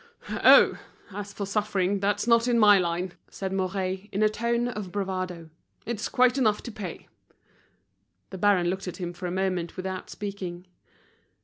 "Oh! as for suffering, that's not in my line," said Mouret, in a tone of bravado. "It's quite enough to pay." The baron looked at him for a moment without speaking.